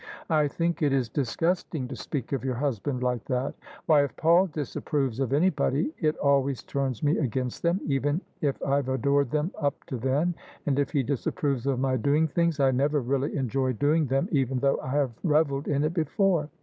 I think it is disgusting to speak of your husband like that. Why, if Paul disapproves of anybody, it always turns me against them, even if I've adored them up to then: and if he disapproves of my doing things, I never really enjoy doing them, even though I have revelled in it before.